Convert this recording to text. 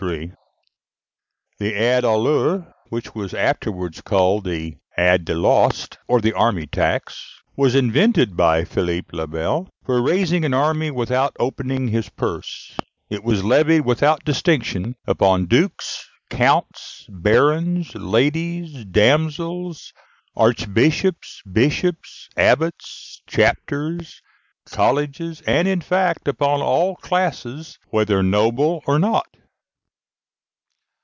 In 1303, the aide au leur, which was afterwards called the aide de l'ost, or the army tax, was invented by Philippe le Bel for raising an army without opening his purse. It was levied without distinction upon dukes, counts, barons, ladies, damsels, archbishops, bishops, abbots, chapters, colleges, and, in fact, upon all classes, whether noble or not.